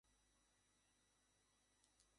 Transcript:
Jacob, সামলে!